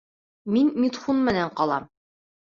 Мин Митхун менән ҡалам.